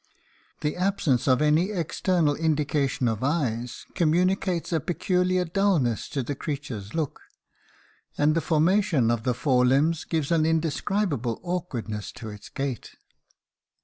The absence of any external indication of eyes communicates a peculiar dullness to the creature's look, and the formation of the fore limbs gives an indescribable awkwardness to its gait.